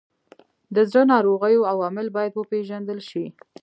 د زړه ناروغیو عوامل باید وپیژندل شي.